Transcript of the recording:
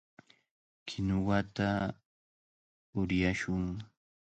Kinuwata uryashun.